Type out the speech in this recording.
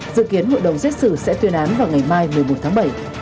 dự kiến hội đồng xét xử sẽ tuyên án vào ngày mai một mươi một tháng bảy